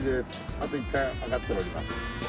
あと１回上がったら降ります。